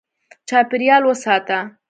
چاپېریال وساته.